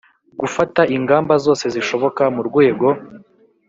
Gufata ingamba zose zishoboka mu rwego